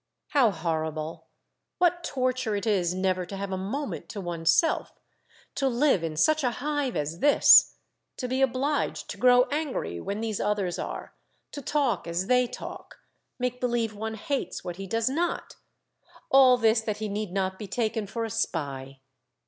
How horrible, what torture it is never to have a moment to one's self, to live in such a hive as this, to be obliged to grow angry when these others are, to talk as Aboard: A Monologue, 191 they talk, make believe one hates what he does not, — all this that he need not be taken for a spy.